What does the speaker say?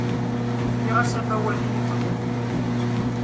Fkiɣ-as amawal i gma.